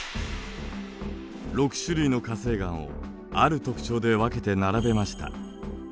６種類の火成岩をある特徴で分けて並べました。